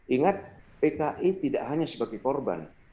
ingat pki tidak hanya sebagai korban